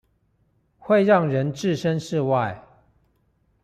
會讓人置身事外